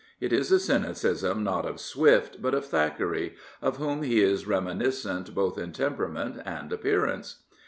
It is a cynicism not of Swift, but of Thackeray, of whom he is reminiscent both in temperament and appearance.